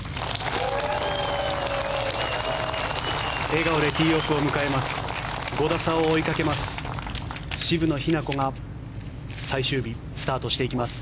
笑顔でティーオフを迎えます。